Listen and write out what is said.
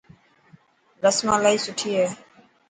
رسملا سٺي هي.